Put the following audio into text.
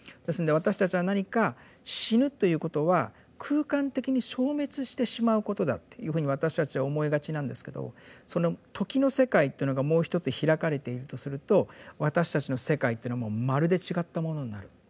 ですので私たちは何か死ぬということは空間的に消滅してしまうことだっていうふうに私たちは思いがちなんですけどその「時」の世界っていうのがもう一つ開かれているとすると私たちの世界っていうのはもうまるで違ったものになる。